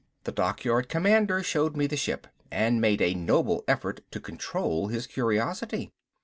The dockyard commander showed me the ship, and made a noble effort to control his curiosity.